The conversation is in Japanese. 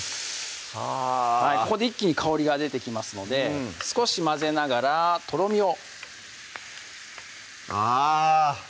あぁここで一気に香りが出てきますので少し混ぜながらとろみをあぁ！